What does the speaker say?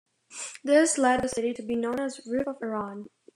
This led the city to be known as "Roof of Iran".